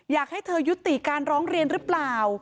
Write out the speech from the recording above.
อยากให้เธอยุติการร้องเรียนหรือเปล่า